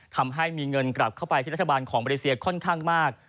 ทำให้มีเงินกลับเข้าไปที่รัฐบาลของมาเลเซียค่อนข้างมาก